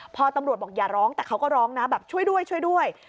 พอตำรวจบอกอย่าร้องแต่เขาก็ร้องนะแบบช่วยด้วยช่วยด้วย